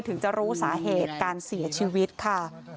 ถึงจะรู้สาเหตุการเสียชีวิตค่ะ